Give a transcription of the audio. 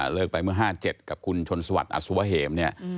เลิกไปเมื่อ๕๗กับคุณชนสวัสดิ์อัสวเหม